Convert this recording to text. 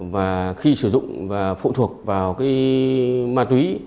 và khi sử dụng và phụ thuộc vào ma túy